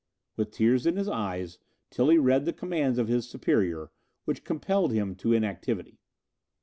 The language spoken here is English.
With tears in his eyes, Tilly read the commands of his superior, which compelled him to inactivity.